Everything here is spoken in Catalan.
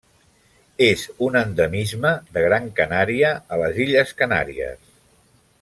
És un endemisme de Gran Canària a les Illes Canàries.